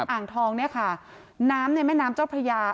อ่างทองเนี่ยค่ะน้ำในแม่น้ำเจ้าพระยา